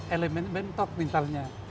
elemen mentok misalnya